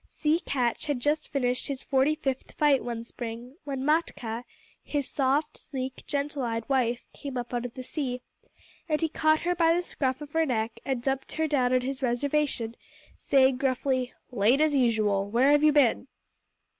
Sea Catch had just finished his forty fifth fight one spring when Matkah, his soft, sleek, gentle eyed wife, came up out of the sea, and he caught her by the scruff of the neck and dumped her down on his reservation, saying gruffly: "Late as usual. Where have you been?"